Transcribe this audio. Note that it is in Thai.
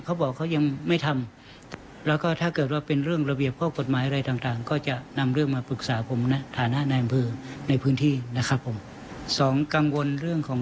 เขาบอกเขายังไม่ทำแล้วก็ถ้าเกิดว่าเป็นเรื่องระเบียบข้อกฎหมายอะไรต่าง